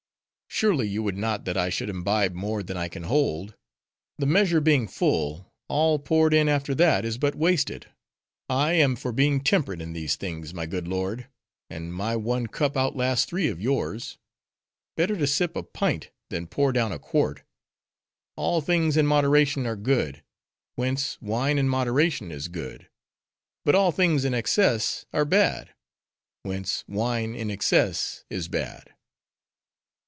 Surely you would not that I should imbibe more than I can hold. The measure being full, all poured in after that is but wasted. I am for being temperate in these things, my good lord. And my one cup outlasts three of yours. Better to sip a pint, than pour down a quart. All things in moderation are good; whence, wine in moderation is good. But all things in excess are bad: whence wine in excess is bad."